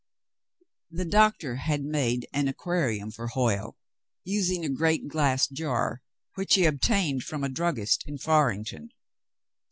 The doctor had made an aquarium for Hoj^e, using a great glass jar which he obtained from a druggist in Faring ton.